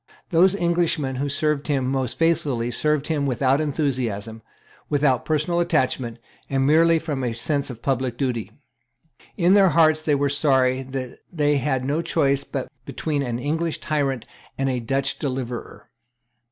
Those Englishmen who served him most faithfully served him without enthusiasm, without personal attachment, and merely from a sense of public duty. In their hearts they were sorry that they had no choice but between an English tyrant and a Dutch deliverer.